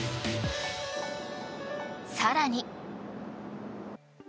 更に。